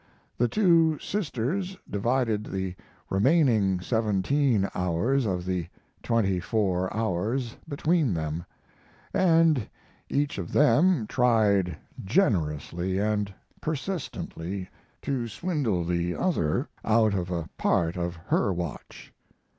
The two sisters divided the remaining seventeen hours of the twenty four hours between them, and each of them tried generously and persistently to swindle the other out of a part of her watch.